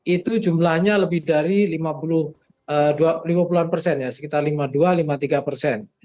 itu jumlahnya lebih dari lima puluh an persen ya sekitar lima puluh dua lima puluh tiga persen